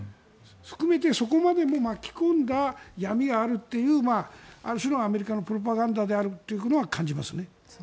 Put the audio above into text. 含めてそこまで巻き込んだ闇があるというある種のアメリカのプロパガンダであるというのは感じますね。